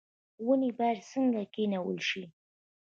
ونې باید څنګه کینول شي؟